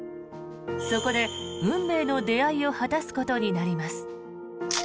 そこで運命の出会いを果たすことになります。